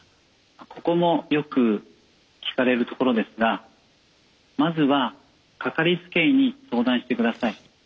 ここもよく聞かれるところですがまずはかかりつけ医に相談してください。